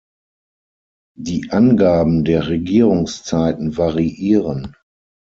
Die Angaben der Regierungszeiten variieren.